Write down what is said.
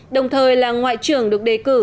đồng thời là ngoại trưởng được đề cử